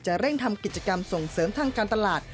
เร่งทำกิจกรรมส่งเสริมทางการตลาด